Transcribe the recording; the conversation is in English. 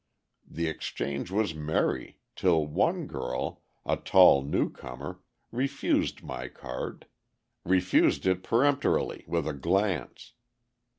The exchange was merry, till one girl, a tall newcomer, refused my card refused it peremptorily, with a glance.